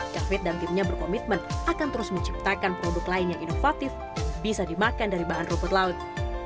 david dan timnya berkomitmen akan terus menciptakan produk lain yang inovatif bisa dimakan dari bahan rumput laut